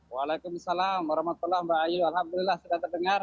waalaikumsalam selamat malam mbak ayu alhamdulillah sudah terdengar